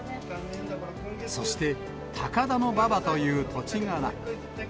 そして、高田馬場という土地